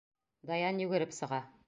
Даян йүгереп сыға.